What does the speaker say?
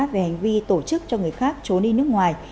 về hành vi tổ chức cho người khác trốn đi nước ngoài